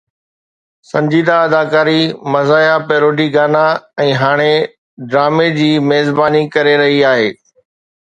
سنجيده اداڪاري مزاحيه پيروڊي گانا ۽ هاڻي ڊرامي جي ميزباني ڪري رهي آهي.